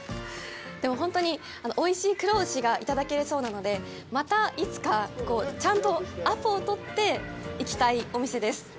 でも、本当においしい黒牛がいただけるそうなので、またいつか、ちゃんとアポを取って行きたいお店です。